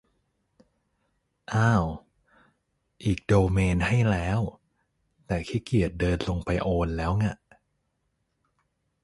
อ่าว อีกโดเมนให้แล้ว แต่ขี้เกียจเดินลงไปโอนแล้วง่ะ